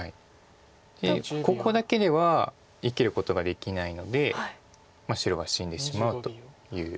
でここだけでは生きることができないので白が死んでしまうという。